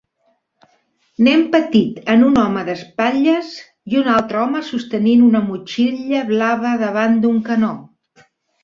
Nen petit en un home s espatlles i un altre home sostenint una motxilla blava davant d'un canó